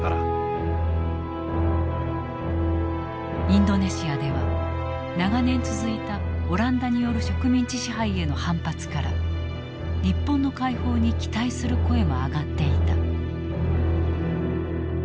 インドネシアでは長年続いたオランダによる植民地支配への反発から日本の解放に期待する声も上がっていた。